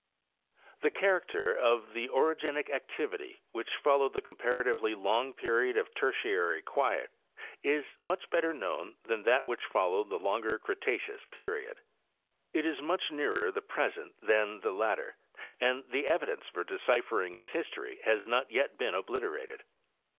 The character of the orogenic activity which followed the com paratively long period of Tertiary quiet is much better known than that which followed the longer. Cretaceous period. It is much nearer the present than the latter, and the evidence for deciphering its history has not yet been obliterated.